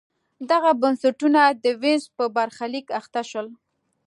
دغه بنسټونه د وینز په برخلیک اخته شول.